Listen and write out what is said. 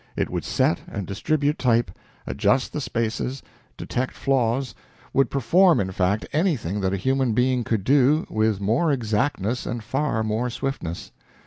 It would set and distribute type, adjust the spaces, detect flaws would perform, in fact, anything that a human being could do, with more exactness and far more swiftness.